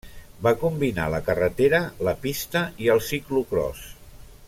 Va combinar la carretera, la pista i el ciclocròs.